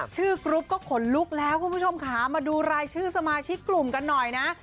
กรุ๊ปก็ขนลุกแล้วคุณผู้ชมค่ะมาดูรายชื่อสมาชิกกลุ่มกันหน่อยนะ